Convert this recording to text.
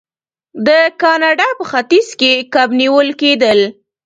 د کاناډا په ختیځ کې کب نیول کیدل.